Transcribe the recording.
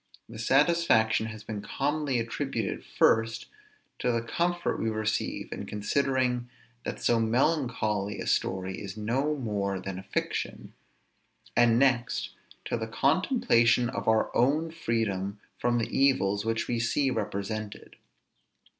The satisfaction has been commonly attributed, first, to the comfort we receive in considering that so melancholy a story is no more than a fiction; and, next, to the contemplation of our own freedom from the evils which we see represented.